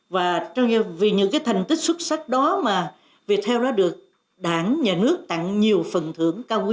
và vì những cái thành tích xuất sắc đó mà việt theo đó được đảng nhà nước tặng nhiều phần thưởng cao quý